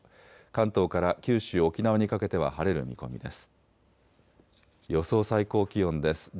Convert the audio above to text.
関東から九州、沖縄にかけては晴れる見込みです。